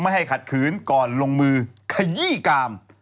ให้ขัดขืนก่อนลงมือขยี้กาม